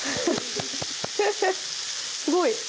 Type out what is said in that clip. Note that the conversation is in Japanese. すごい！